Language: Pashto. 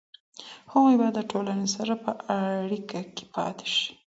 هغوی باید د ټولنې سره په اړیکه کې پاتې شي.